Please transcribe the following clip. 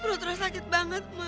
perut ruang sakit banget ma